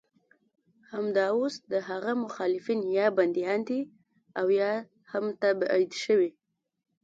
همدا اوس د هغه مخالفین یا بندیان دي او یا هم تبعید شوي.